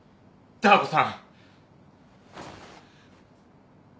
ダー子さん。